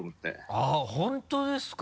あぁ本当ですか！